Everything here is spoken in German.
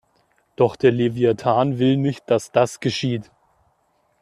Doch der Leviathan will nicht, dass das geschieht.